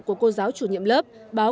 của cô giáo chủ nhiệm lớp